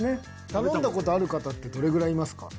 頼んだ事ある方ってどれぐらいいますか？